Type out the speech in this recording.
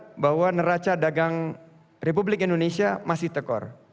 saya bahwa neraca dagang republik indonesia masih tekor